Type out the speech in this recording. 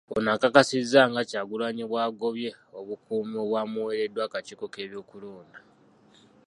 Ono akakasizza nga Kyagulanyi bw'agobye obukuumi obwamuweereddwa akakiiko k'ebyokulonda.